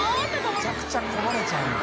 めちゃくちゃこぼれちゃうんだ。